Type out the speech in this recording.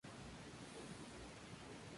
Su hermano Viktor fue un reconocido orientalista.